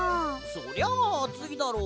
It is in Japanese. そりゃあついだろ。